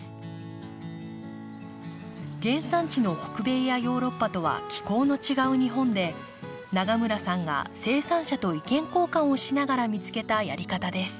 原産地の北米やヨーロッパとは気候の違う日本で永村さんが生産者と意見交換をしながら見つけたやり方です。